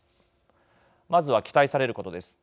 まずは、期待されることです。